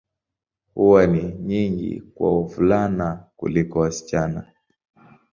Huwa ni nyingi kwa wavulana kuliko wasichana.